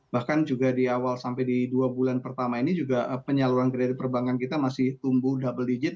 bahkan juga di awal sampai di dua bulan pertama ini juga penyaluran kredit perbankan kita masih tumbuh double digit